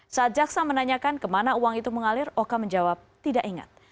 saat jaksa menanyakan kemana uang itu mengalir oka menjawab tidak ingat